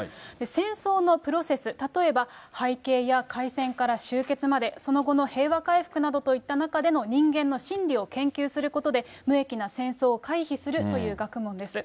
戦争のプロセス、例えば背景や開戦から終結まで、その後の平和回復などといった中で、人間の心理を研究することで無益な戦争を回避するという学問です。